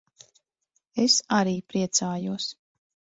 Es arī priecājos.